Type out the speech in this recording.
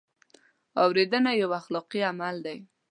اورېدنه یو اخلاقي عمل دی.